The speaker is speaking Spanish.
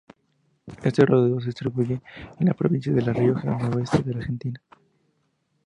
Este roedor se distribuye en la provincia de La Rioja, noroeste de la Argentina.